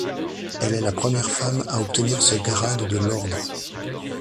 Elle est la première femme à obtenir ce grade de l'Ordre.